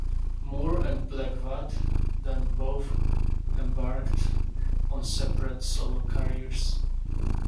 Moore and Blegvad then both embarked on separate solo careers.